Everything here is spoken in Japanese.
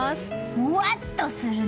もわっとするね！